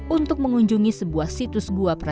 untuk mengunjungi sebuah situasi yang sangat menarik